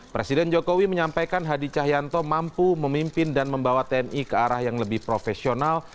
presiden jokowi menyampaikan hadi cahyanto mampu memimpin dan membawa tni ke arah yang lebih profesional